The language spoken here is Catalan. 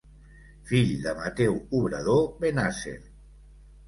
Fill de Mateu Obrador Bennàsser.